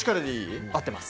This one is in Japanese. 合ってます。